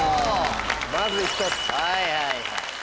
まず１つ。